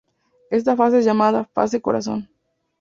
Esta fase es llamada "fase corazón".